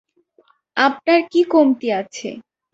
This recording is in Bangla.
আপনার কি কমতি আছে?